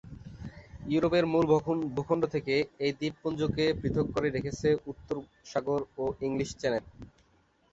ইউরোপের মূল ভূখণ্ড থেকে এই দ্বীপপুঞ্জকে পৃথক করে রেখেছে উত্তর সাগর ও ইংলিশ চ্যানেল।